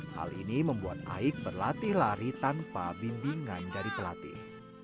hal ini membuat aik berlatih lari tanpa bimbingan dari pelatih